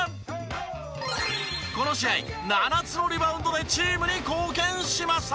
この試合７つのリバウンドでチームに貢献しました。